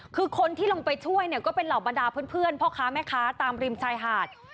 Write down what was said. คือคนที่ลงไปช่วยเนี่ยก็เป็นเหล่าบรรดาเพื่อนพ่อค้าแม่ค้าตามริมชายหาด